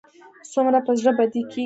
څومره به زړه بدی کېږي.